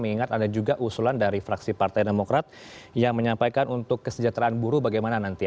mengingat ada juga usulan dari fraksi partai demokrat yang menyampaikan untuk kesejahteraan buruh bagaimana nanti